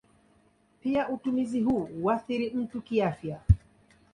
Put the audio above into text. Pia utumizi huu huathiri mtu kiafya.